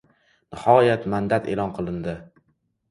Nihoyat, mandat e’lon qilindi